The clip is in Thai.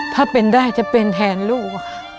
ถ้าเป็นได้จะเป็นแทนลูก